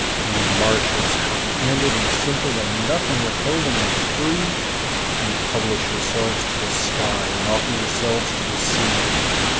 Ye marshes, how candid and simple and nothing withholding and free Ye publish yourselves to the sky and offer yourselves to the sea!